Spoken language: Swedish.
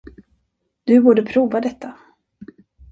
Du borde prova detta.